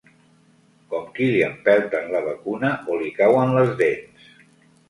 Com qui li empelten la vacuna o li cauen les dents